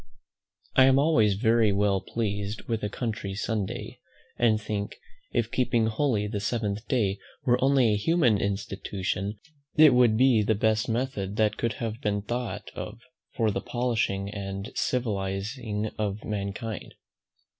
I am always very well pleased with a country Sunday, and think, if keeping holy the seventh day were only a human institution, it would be the best method that could have been thought of for the polishing and civilizing of mankind.